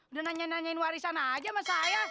udah nanya nanyain warisan aja sama saya